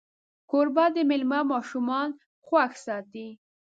کوربه د میلمه ماشومان خوښ ساتي.